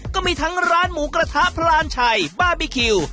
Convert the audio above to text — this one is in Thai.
ก็มีทั้งร้านหมูกระทะพรานชัยบาร์บีคิว